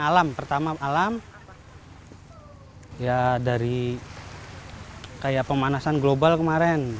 alam pertama alam ya dari kayak pemanasan global kemarin